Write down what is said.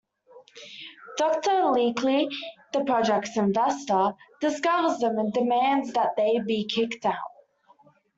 Doctor Leaky, the project's investor, discovers them and demands that they be kicked out.